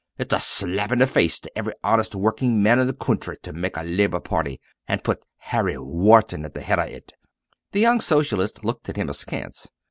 It's a slap i' the face to ivery honest working man i' the coontry, to mak' a Labour party and put Harry Wharton at t' head of it!" The young Socialist looked at him askance.